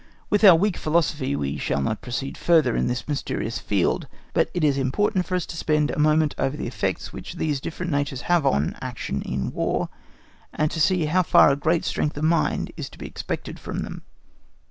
With our weak philosophy, we shall not proceed further in this mysterious field. But it is important for us to spend a moment over the effects which these different natures have on, action in War, and to see how far a great strength of mind is to be expected from them.